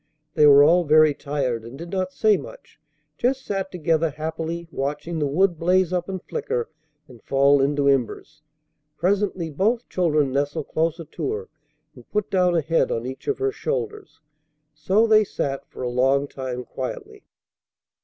They were all very tired and did not say much, just sat together happily, watching the wood blaze up and flicker and fall into embers. Presently both children nestled closer to her, and put down a head on each of her shoulders. So they sat for a long time quietly.